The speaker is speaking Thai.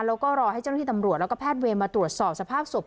แล้วก็รอให้เจ้าหน้าที่ตำรวจแล้วก็แพทย์เวรมาตรวจสอบสภาพศพ